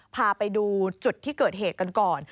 พาไปดูจุดที่เกิดเหตุกันก่อน